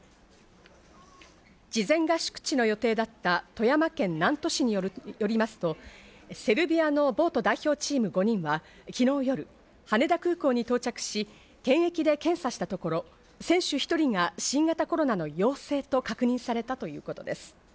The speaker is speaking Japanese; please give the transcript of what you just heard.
事前合宿地の予定だった富山県南砺市によりますと、セルビアのボート代表チーム５人は昨日夜、羽田空港に到着し、検疫で検査したところ、選手１人が新型コロナの陽性と確認されたということです。